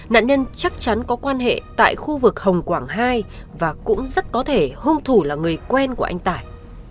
nạn nhân chắc chắn có quan hệ tại khu vực hồng quảng hai và cũng rất có thể hung thủ là người quen của anh tài